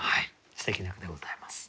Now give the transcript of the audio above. すてきな句でございます。